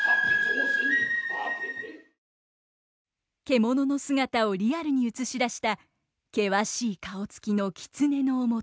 獣の姿をリアルに映し出した険しい顔つきの狐の面。